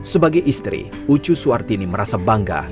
sebagai istri ucu suartini merasa bangga